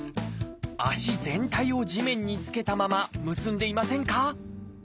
足全体を地面に着けたまま結んでいませんか？